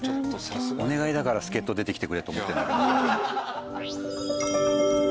お願いだから助っ人出てきてくれと思ってるんだけど。